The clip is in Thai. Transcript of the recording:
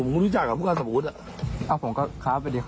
มึงรู้ว่ามึงนั่งเนี่ย